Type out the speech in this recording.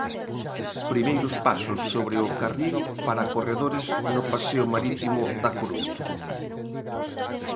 Primeiros pasos sobre o carril para corredores no paseo marítimo da Coruña.